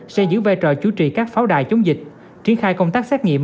sẽ giữ vai trò chủ trì các pháo đài chống dịch triển khai công tác xét nghiệm